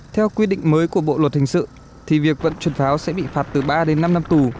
theo quy định mới của bộ luật hình sự thì việc vận chuyển pháo sẽ bị phạt từ ba đến năm năm tù